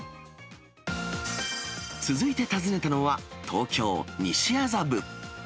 続いて訪ねたのは、東京・西麻布。